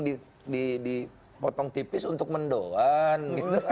dipotong tipis untuk mendoan